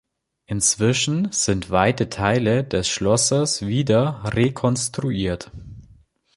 Inzwischen sind weite Teile des Schlosses wieder rekonstruiert.